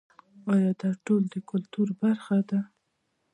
آیا دا ټول د کلتور برخه ده؟